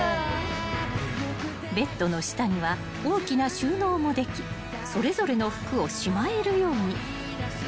［ベッドの下には大きな収納もできそれぞれの服をしまえるように］